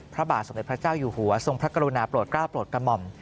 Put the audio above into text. พระบาทสมเด็จพระเจ้าอยู่หัวทรงพระกรุณาโปรดกล้าโปรดกระหม่อม